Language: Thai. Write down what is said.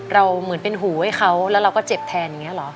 เหมือนเป็นหูให้เขาแล้วเราก็เจ็บแทนอย่างนี้เหรอ